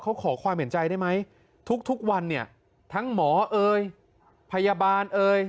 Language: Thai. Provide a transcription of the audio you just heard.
เขาขอความเห็นใจได้ไหมทุกวันเนี่ยทั้งหมอเอ่ยพยาบาลเอ่ย